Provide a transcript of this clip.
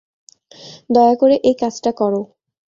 দয়া করে এই কাজটা করো।